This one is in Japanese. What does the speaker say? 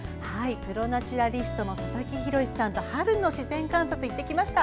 プロ・ナチュラリストの佐々木洋さんと一緒に春の自然観察に行ってきました。